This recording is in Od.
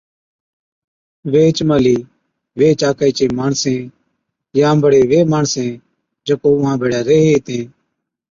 ويھِچ مھلِي ويھِچ آڪھِي چين ماڻسين يا بڙي وي ماڻسين جڪو اُونھان ڀيڙَي ريھين ھِتين